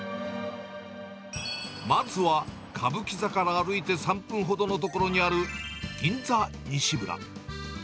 まずは歌舞伎座から歩いて３分ほどの所にある、銀座にし邑。